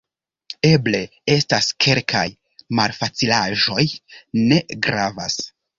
Eble estas kelkaj malfacilaĵoj... ne gravas.